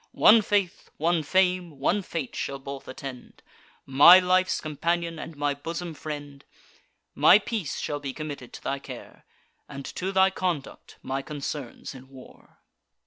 One faith, one fame, one fate, shall both attend; My life's companion, and my bosom friend: My peace shall be committed to thy care, And to thy conduct my concerns in war."